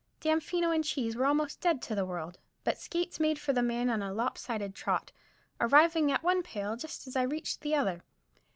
Damfino and Cheese were almost dead to the world, but Skates made for the man on a lop sided trot, arriving at one pail just as I reached the other.